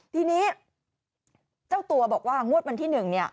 ทีนี้เจ้าตัวบอกว่างวดวันที่๑เนี่ย